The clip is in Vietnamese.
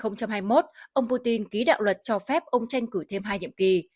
ông putin ký đạo luật cho phép ông tranh cử thêm hai nhiệm kỳ